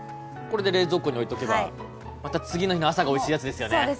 これで冷蔵庫に置いとけばまた次の日の朝がおいしいやつですよね。